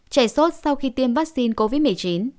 chảy sốt sau khi tiêm vaccine covid một mươi chín